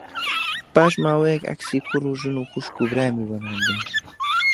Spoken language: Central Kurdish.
پاش ماوەیەک عەکسی کوڕ و ژن و خوشک و برامی بۆ ناردم